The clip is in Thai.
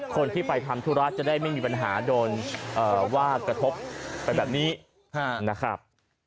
คนที่ไปทำธุระจะได้ไม่มีปัญหาโดนว่ากระทบไปแบบนี้นะครับ